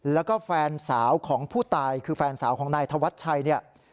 แล้วก็แฟนสาวของผู้ตายคือแฟนสาวของนายธวัชชัยเนี่ย